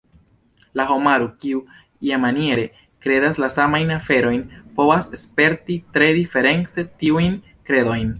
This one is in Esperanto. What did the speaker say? La homaro kiu "iamaniere" kredas la samajn aferojn povas sperti tre diference tiujn kredojn.